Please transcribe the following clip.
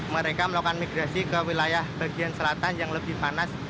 mereka melakukan migrasi ke wilayah bagian selatan yang lebih panas